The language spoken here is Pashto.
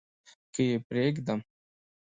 که يې پرېږدم .